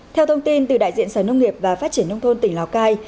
theo thông tin từ đại diện sở nông nghiệp và phát triển nông thôn tỉnh lào cai